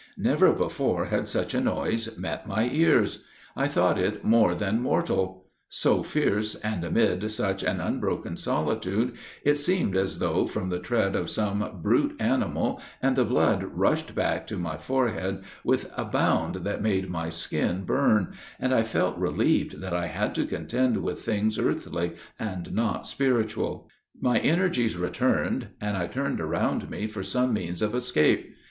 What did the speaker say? Never before had such a noise met my ears. I thought it more than mortal; so fierce, and amid such an unbroken solitude, it seemed as though from the tread of some brute animal, and the blood rushed back to my forehead with a bound that made my skin burn, and I felt relieved that I had to contend with things earthly and not spiritual; my energies returned, and I looked around me for some means of escape.